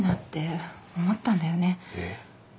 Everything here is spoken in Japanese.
えっ？